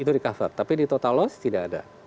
itu di cover tapi di total loss tidak ada